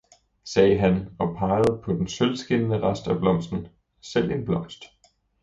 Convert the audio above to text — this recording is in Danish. sagde han og pegede på den sølvskinnende rest af blomsten, selv en blomst.